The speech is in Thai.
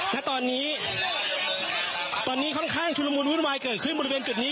ณตอนนี้ตอนนี้ค่อนข้างชุลมูลวุ่นวายเกิดขึ้นบริเวณจุดนี้